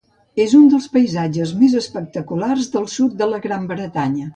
És un dels paisatges més espectaculars del sud de la Gran Bretanya.